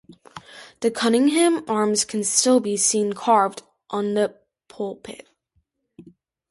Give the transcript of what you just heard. The Cunningham arms can still be seen carved on the pulpit.